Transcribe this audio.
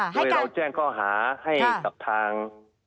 โดยเราแจ้งข้อหาให้กับทาง